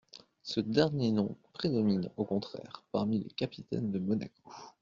Ce dernier nom prédomine, au contraire, parmi les capitaines de Monaco.